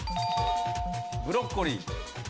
ブロッコリー。